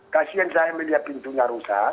kasian saya melihat pintunya rusak